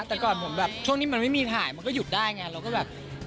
แต่ก่อนผมแบบช่วงนี้มันไม่มีถ่ายมันก็หยุดได้ไงเราก็แบบ